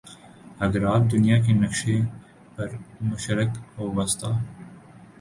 اگر آپ دنیا کے نقشے پر مشرق وسطیٰ